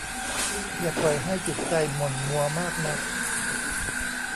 อย่าปล่อยให้จิตใจหม่นมัวมากนัก